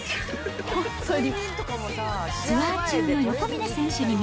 本当に。